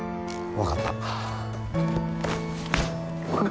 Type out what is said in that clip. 分かったよ